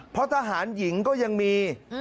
เพราะทหารหญิงก็ยังมี